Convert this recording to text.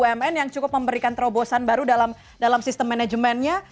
bumn yang cukup memberikan terobosan baru dalam sistem manajemennya